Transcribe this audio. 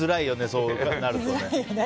そうなるとね。